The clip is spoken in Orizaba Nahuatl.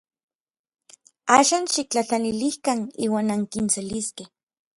Axan xiktlajtlanilikan iuan ankiseliskej.